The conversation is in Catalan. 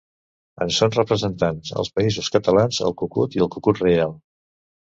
En són representants als Països Catalans el cucut i el cucut reial.